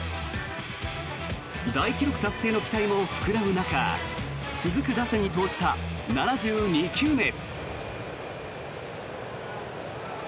大記録達成の期待も膨らむ中続く打者に投じた７２球目。